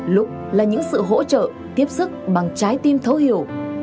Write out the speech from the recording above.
lúc là những sự hỗ trợ tiếp sức bằng trái tim thấu hiểu